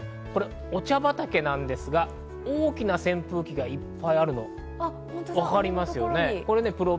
お茶畑なんですが大きな扇風機がいっぱいあるのわかりますよね。